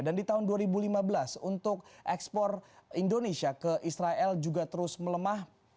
dan di tahun dua ribu lima belas untuk ekspor indonesia ke israel juga terus melemah